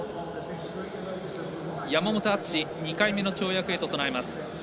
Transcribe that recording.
山本篤、２回目の跳躍へと備えます。